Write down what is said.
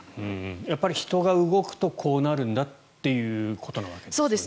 やっぱり人が動くとこうなるんだということですね。